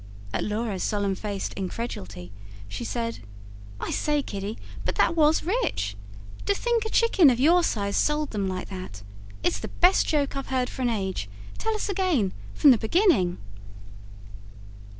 At Laura's solemn faced incredulity she said: "I say, Kiddy, but that WAS rich. To think a chicken of your size sold them like that. It's the best joke I've heard for an age. Tell us again from the beginning."